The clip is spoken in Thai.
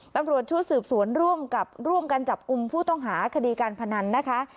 ตำรวจชุดสืบสวนร่วมกับร่วมกันจับกลุ่มผู้ต้องหาคดีการพนันนะคะ